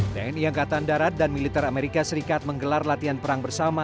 tni angkatan darat dan militer amerika serikat menggelar latihan perang bersama